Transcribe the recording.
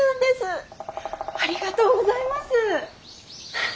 ありがとうございます。